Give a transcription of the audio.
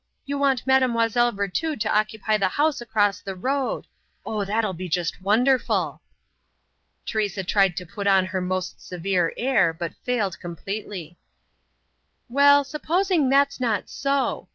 You want Mademoiselle Virtud to occupy the house across the road. Oh, that'll be just wonderful!" Teresa tried to put on her most severe air, but failed completely. "Well, supposing that's not so!"